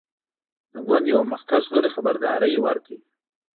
د ګوند یوه مخکښ غړي خبرداری ورکړ.